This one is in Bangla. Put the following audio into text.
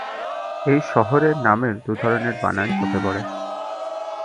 এই শহরের নামের দু’ধরনের বানান চোখে পড়ে।